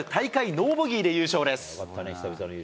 ノーボギーで優勝です。